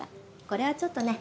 これはちょっとね